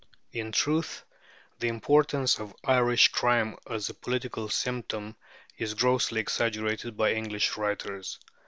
In truth, the importance of Irish crime as a political symptom is grossly exaggerated by English writers.